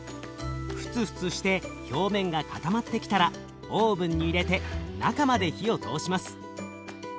ふつふつして表面が固まってきたらオーブンに入れて中まで火を通します。